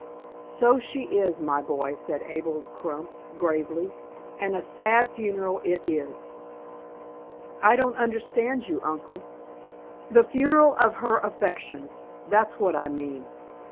"So she is, my boy," said Abel Crump, gravely, "and a sad funeral it is." "I don't understand you, uncle." "The funeral of her affections, that's what I mean.